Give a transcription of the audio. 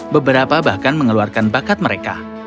beberapa bahkan mengeluarkan bakat mereka